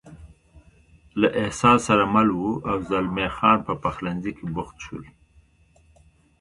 له احساس سره مل و، او زلمی خان په پخلنځي کې بوخت شول.